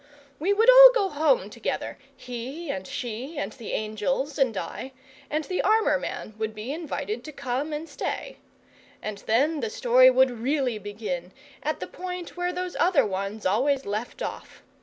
We would all go home together, He and She, and the angels, and I; and the armour man would be invited to come and stay. And then the story would really begin, at the point where those other ones always left off.